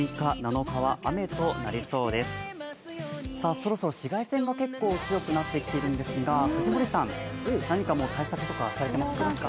そろそろ紫外線も結構強くなってきているんですが、藤森さん、何かもう対策とかされてますか？